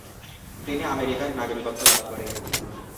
তিনি আমেরিকার নাগরিকত্ব লাভ করেন।